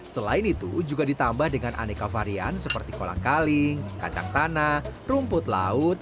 selain itu juga ditambah dengan aneka varian seperti kolang kaling kacang tanah rumput laut